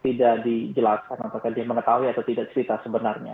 tidak dijelaskan apakah dia mengetahui atau tidak cerita sebenarnya